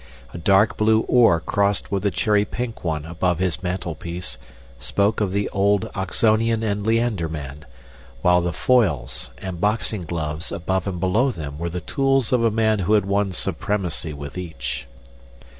A dark blue oar crossed with a cherry pink one above his mantel piece spoke of the old Oxonian and Leander man, while the foils and boxing gloves above and below them were the tools of a man who had won supremacy with each.